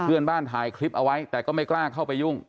เพื่อนบ้านถ่ายคลิปเอาไว้แต่ก็ไม่กล้าเข้าไปยุ่ง